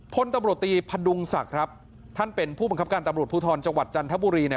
พลตำรวจตีพดุงศักดิ์ครับท่านเป็นผู้บังคับการตำรวจภูทรจังหวัดจันทบุรีเนี่ย